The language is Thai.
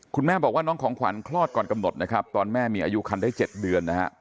คุณแม่บอกว่าน้องของขวัญคลอดก่อนกำหนดนะครับตอนแม่มีอายุคันได้๗เดือนนะฮะ